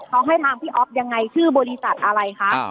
เขาให้ทางพี่อ๊อฟยังไงชื่อบริษัทอะไรคะ